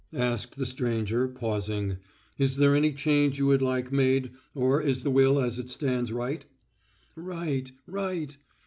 asked the stranger pausing. "Is there any change you would like made or is the will as it stands right?" "Right! right!"